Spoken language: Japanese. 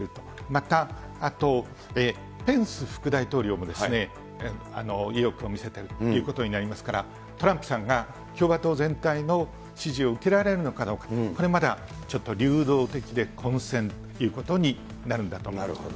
また、あと、ペンス副大統領も、意欲を見せているということになりますから、トランプさんが共和党全体の支持を受けられるのかどうか、これ、まだちょっと流動的で、混戦ということになるんだと思います。